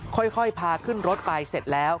ค่อยพาขึ้นรถไปเสร็จแล้ว